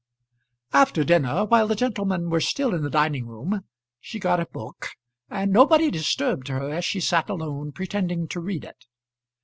After dinner, while the gentlemen were still in the dining room, she got a book, and nobody disturbed her as she sat alone pretending to read it.